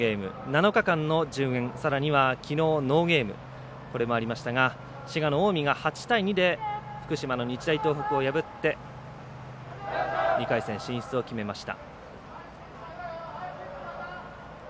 ７日間の順延きのうノーゲームもありましたが滋賀の近江が８対２で福島の日大東北を破って２回戦進出を決めました。